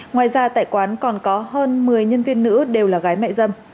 ngoài ra tại quán còn có hơn một mươi nhân viên nữ đều là gái mẹ dâm